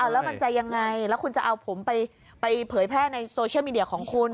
แล้วมันจะยังไงแล้วคุณจะเอาผมไปเผยแพร่ในโซเชียลมีเดียของคุณ